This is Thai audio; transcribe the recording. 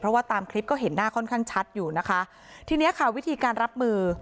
เพราะว่าตามคลิปก็เห็นหน้าค่อนข้างชัดอยู่นะคะทีเนี้ยค่ะวิธีการรับมือ